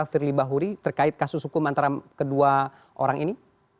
firly bahuri terkait kasus hukum antara kedua orang ini